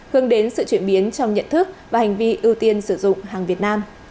hướng đến sự chuyển biến trong nhận thức và hành vi ưu tiên sử dụng hàng việt nam